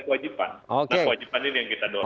kewajipan nah kewajipan ini yang kita dorong